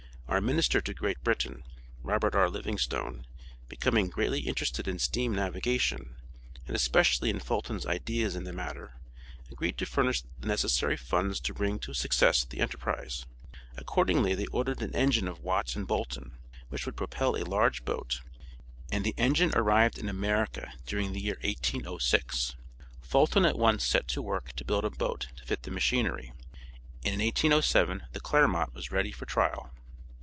Our Minister to Great Britain, Robert R. Livingstone, becoming greatly interested in steam navigation, and especially in Fulton's ideas in the matter, agreed to furnish the necessary funds to bring to success the enterprise. Accordingly, they ordered an engine of Watt & Boulton, "which would propel a large boat," and the engine arrived in America during the year 1806. Fulton at once set to work to build a boat to fit the machinery, and in 1807 the "Clermont" was ready for trial.